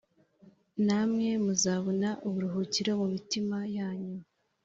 namwe muzabona uburuhukiro mu mitima yanyu